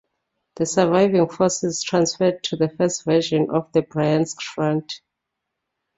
The surviving forces transferred to the first version of the Bryansk Front.